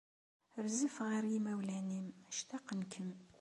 Rzef ɣer imawlan-im, ctaqen-kem.